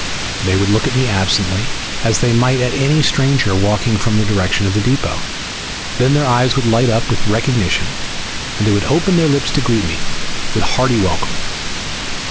They would look at me absently as they might at any stranger walking from the direction of the depot, then their eyes would light up with recognition and they would open their lips to greet me with hearty welcome.